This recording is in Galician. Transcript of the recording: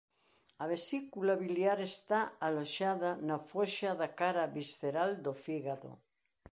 A vesícula biliar está aloxada na foxa da cara visceral do fígado.